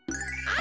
あ！